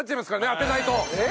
当てないと。